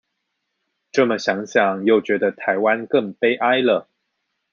這麼想想又覺得台灣更悲哀了